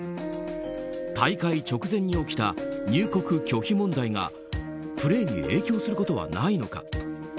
大会直前に起きた入国拒否問題がプレーに影響することはないのか。